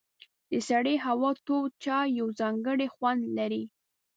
د سړې هوا تود چای یو ځانګړی خوند لري.